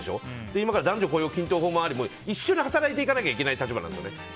今から男女雇用均等法もあって一緒に働いていかなきゃいけない立場なんですよね。